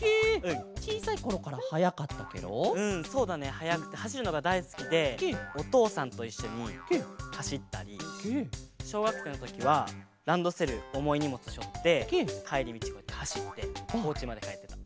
はやくてはしるのがだいすきでおとうさんといっしょにはしったりしょうがくせいのときはランドセルおもいにもつしょってかえりみちこうやってはしっておうちまでかえったり。